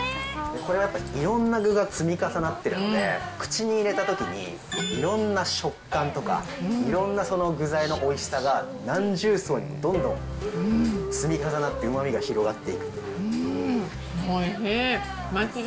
これはいろんな具が積み重なっているので、口に入れたときに、いろんな食感とか、いろんな具材のおいしさが何重奏にも、どんどん積み重なって、うおいしい。